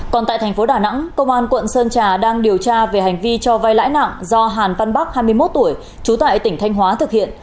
còn tại thành phố đà nẵng công an quận sơn trà đang điều tra về hành vi cho vai lãi nặng do hàn văn bắc hai mươi một tuổi trú tại tỉnh thanh hóa thực hiện